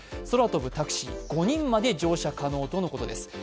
空飛ぶタクシー、５人まで乗車可能ということです。